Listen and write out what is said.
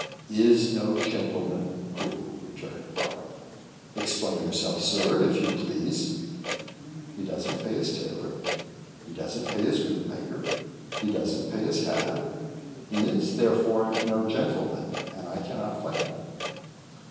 "Is no gentleman," coolly returned Briarly. "Explain yourself, sir, if you please." "He doesn't pay his tailor, he doesn't pay his boot maker, he doesn't pay his hatter he is, therefore, no gentleman, and I cannot fight him."